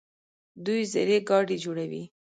دوی زرهي ګاډي جوړوي.